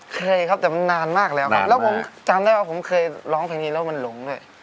เคยครับแต่มันนานมากแล้วครับแล้วผมจำได้ว่าผมเคยร้องเพลงนี้แล้วมันหลงด้วย